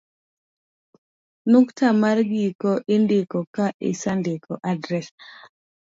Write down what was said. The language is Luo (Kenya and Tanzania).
nukta mar giko indiko ka isendiko adres